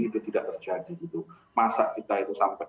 itu tidak terjadi gitu masa kita itu sampai